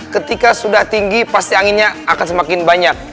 ketika sudah tinggi pasti anginnya akan semakin banyak